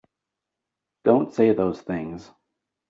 Don't say those things!